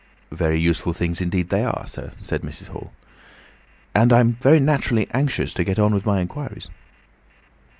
"Very useful things indeed they are, sir," said Mrs. Hall. "And I'm very naturally anxious to get on with my inquiries."